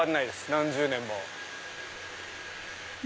何十年も。